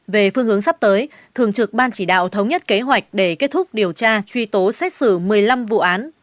về phương hướng sắp tới thường trực ban chỉ đạo thống nhất kế hoạch để kết thúc điều tra truy tố xét xử một mươi năm vụ án